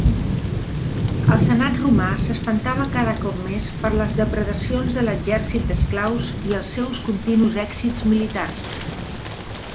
El Senat romà s'espantava cada cop més per les depredacions de l'exèrcit d'esclaus i els seus continus èxits militars.